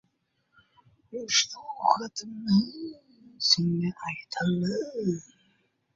— Oshsiz uy bor, urishsiz uy yo‘q...